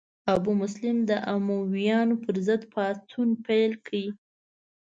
ابو مسلم د امویانو پر ضد پاڅون پیل کړ.